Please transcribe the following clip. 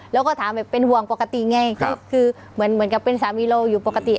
แล้วก็ถามแบบเป็นห่วงปกติไงคือเหมือนกับเป็นสามีเราอยู่ปกติ